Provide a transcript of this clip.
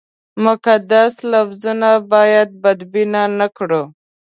مقدس لفظونه باید بدبین نه کړو.